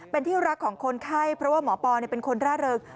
เป็นที่รักของคนไข้เพราะว่าหมอปอเป็นคนร่าเริง